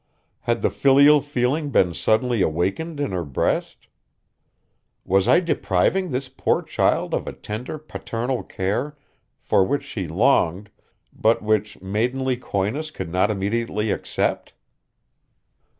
Had the filial feeling been suddenly awakened in her breast? Was I depriving this poor child of a tender paternal care, for which she longed, but which maidenly coyness could not immediately accept?